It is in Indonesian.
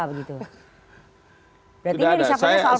berarti ini disisakan soal politik